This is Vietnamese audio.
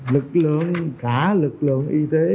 lực lượng cả lực lượng y tế